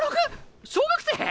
小学生？